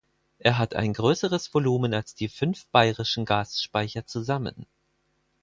Er hat ein größeres Volumen als die fünf bayerischen Gasspeicher zusammen.